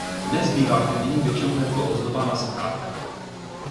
Dnes bývá k vidění většinou jako ozdoba na zahrádkách.